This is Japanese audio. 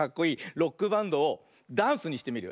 ロックバンドをダンスにしてみるよ。